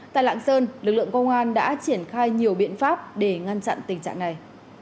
tại lạng sơn lực lượng công an đã triển khai nhiều biện pháp để ngăn chặn tình trạng này